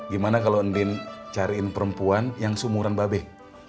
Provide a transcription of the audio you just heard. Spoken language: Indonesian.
gimana kalau din cariin perempuan yang sumuran bapak